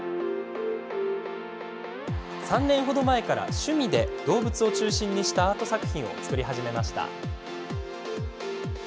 ３年程前から趣味で、動物を中心にしたアート作品を作り始めました。